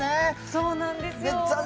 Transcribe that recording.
そうなんですよ。